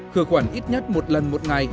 bốn khử khuẩn ít nhất một lần một ngày